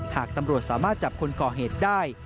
หากตำรวจสามารถจับคนก่อเหตุได้